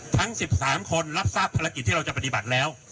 ทั้ง๑๓คนรับทราบภารกิจที่เราจะปฏิบัติแล้ว